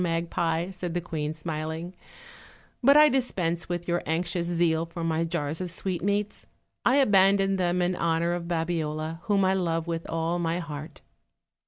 magpie," said the queen, smiling; "but I dispense with your anxious zeal for my jars of sweetmeats; I abandon them in honor of Babiola, whom I love with all my heart."